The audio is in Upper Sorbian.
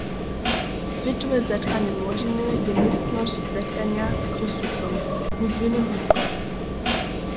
Swětowe zetkanje młodźiny je městnosć zetkanja z Chrystusom, wuzběhny biskop.